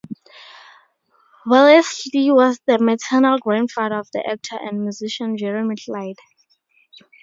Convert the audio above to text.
Wellesley was the maternal grandfather of the actor and musician Jeremy Clyde.